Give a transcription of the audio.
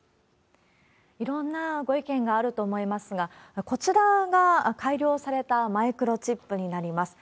いろんなご意見があると思いますが、こちらが、改良されたマイクロチップになります。